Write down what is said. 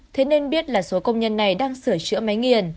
thế nên biết là số công nhân này đang sửa chữa